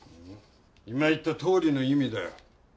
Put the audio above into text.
今言ったとおりの意味だよ。